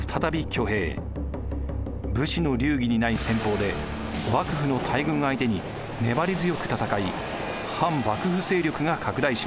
武士の流儀にない戦法で幕府の大軍相手に粘り強く戦い反幕府勢力が拡大します。